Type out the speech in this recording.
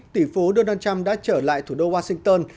tỷ phú donald trump đã trở lại thủ đô washington